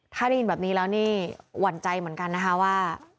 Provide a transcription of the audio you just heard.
ถ้าได้ยินแบบนี้แล้วนี่หวั่นใจเหมือนกันนะคะว่า